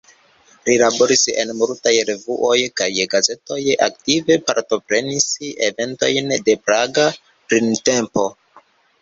Li laboris en multaj revuoj kaj gazetoj, aktive partoprenis eventojn de Praga Printempo.